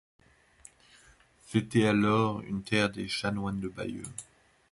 C'était alors une terre des chanoines de Bayeux.